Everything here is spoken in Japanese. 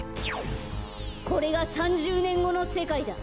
これが３０ねんごのせかいだ。